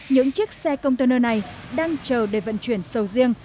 những chiếc xe công tơ nơi này đang chờ để vận chuyển sầu riêng